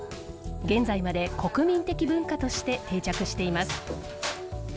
現在まで国民的文化として定着しています。